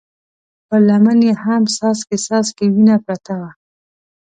پر لمن يې هم څاڅکی څاڅکی وينه پرته وه.